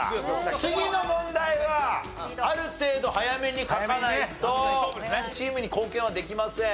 次の問題はある程度早めに書かないとチームに貢献はできません。